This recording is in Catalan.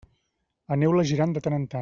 Aneu-la girant de tant en tant.